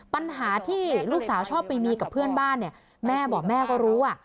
ปัญหาที่ลูกสาวชอบไปมีกับเพื่อนบ้านเนี่ยแม่บอกแม่ก็รู้